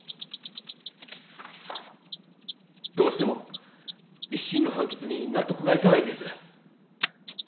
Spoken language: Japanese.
どうしても一審の判決に納得がいかないんです！